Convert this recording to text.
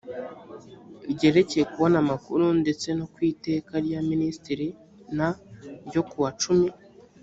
ryerekeye kubona amakuru ndetse no ku iteka rya minisitiri n ryo kuwa cumi